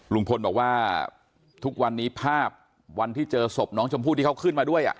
ลุงพลบอกว่าทุกวันนี้ภาพวันที่เจอศพน้องชมพู่ที่เขาขึ้นมาด้วย